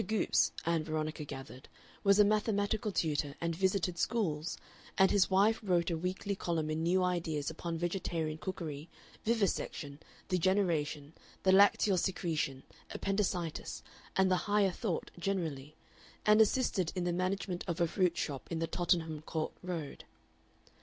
Goopes, Ann Veronica gathered, was a mathematical tutor and visited schools, and his wife wrote a weekly column in New Ideas upon vegetarian cookery, vivisection, degeneration, the lacteal secretion, appendicitis, and the Higher Thought generally, and assisted in the management of a fruit shop in the Tottenham Court Road.